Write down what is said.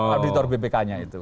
auditor bpk nya itu